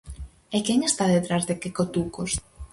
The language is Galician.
E quen está detrás de Kekotukos?